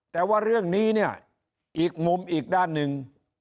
แต่ว่าเรื่องนี้เนี่ยอีกมุมอีกด้านหนึ่ง